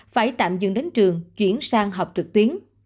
phải tạm dừng đến trường chuyển sang học trực tuyến